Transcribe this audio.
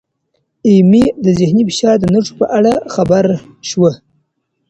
ایمي د ذهني فشار د نښو په اړه خبر شوه.